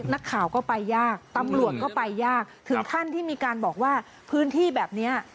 นักข่าวก็ไปยากตำรวจก็ไปยากถึงขั้นที่มีการบอกว่าพื้นที่แบบนี้